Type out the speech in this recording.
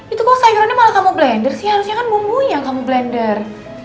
itu kok sayurannya malah kamu blender sih harusnya kan bumbunya kamu blender